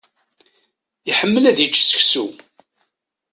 Iḥemmel ad yečč seksu.